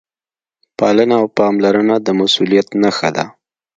پالنه او پاملرنه د مسؤلیت نښه ده.